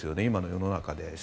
今の世の中で。